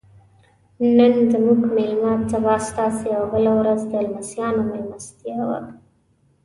نن زموږ میلمه سبا ستاسې او بله ورځ یې د لمسیانو میلمستیا وه.